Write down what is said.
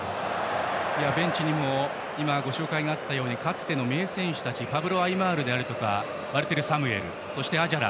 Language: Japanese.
ベンチにも今、ご紹介があったようにかつての名選手たちパブロ・アイマールだとかワルテル・サムエル、アジャラ。